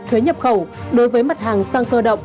thuế nhập khẩu đối với mặt hàng xăng cơ động